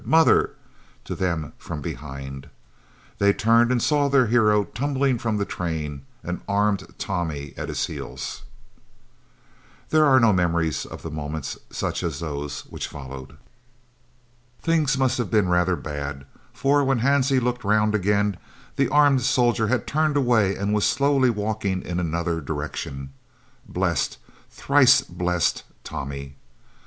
Mother!" to them from behind. They turned and saw their hero tumbling from the train, an armed Tommy at his heels. There are no memories of the moments such as those which followed. Things must have been rather bad, for when Hansie looked round again the armed soldier had turned away and was slowly walking in another direction. Blessed, thrice blessed Tommy!